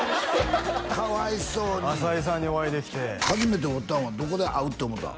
かわいそうに朝井さんにお会いできて初めて会うたんはどこで合うって思ったん？